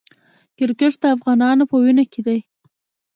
کرکټ د افغانانو په وینو کې دی.